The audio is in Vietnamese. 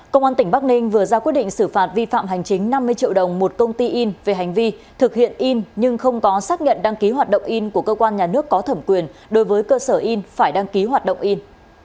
công an tỉnh bắc ninh vừa ra quyết định xử phạt vi phạm hành chính năm mươi triệu đồng một công ty in về hành vi thực hiện in nhưng không có xác nhận đăng ký hoạt động in của cơ quan nhà nước có thẩm quyền đối với cơ sở in phải đăng ký hoạt động in